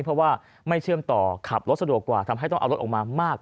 เพราะว่าไม่เชื่อมต่อขับรถสะดวกกว่าทำให้ต้องเอารถออกมามาก